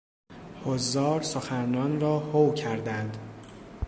حضار سخنران را هو کردند.